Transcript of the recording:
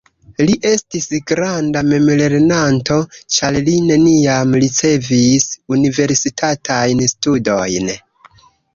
Li estis granda memlernanto ĉar li neniam ricevis universitatajn studojn.